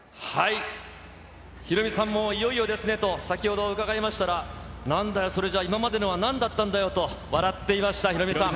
ヒロミさんもいよいよですねと先ほど伺いましたら、なんだよ、それじゃあ今までのはなんだったんだよと笑っていましたヒロミさん。